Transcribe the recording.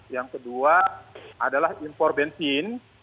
yang kedua adalah impor bensin